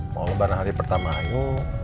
mau lebaran hari pertama ayo